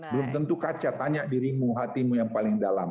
belum tentu kaca tanya dirimu hatimu yang paling dalam